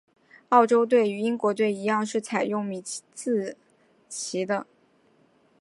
澳洲队与英国队一样是采用米字旗的。